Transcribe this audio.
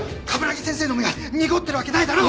鏑木先生の目が濁ってるわけないだろ！